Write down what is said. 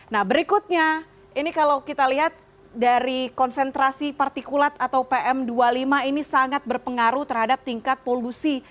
nah berikutnya ini kalau kita lihat dari konsentrasi partikulat atau pm dua puluh lima ini sangat berpengaruh terhadap tingkat polusi